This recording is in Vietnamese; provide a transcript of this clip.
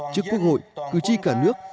trước quốc hội cử tri cả nước